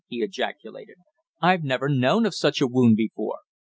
he ejaculated. "I've never known of such a wound before.